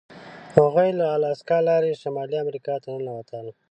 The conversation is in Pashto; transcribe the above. هغوی له الاسکا لارې شمالي امریکا ته ننوتل.